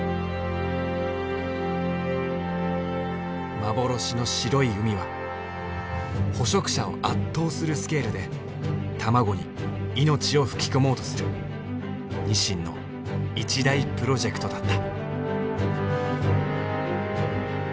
幻の白い海は捕食者を圧倒するスケールで卵に命を吹き込もうとするニシンの一大プロジェクトだった。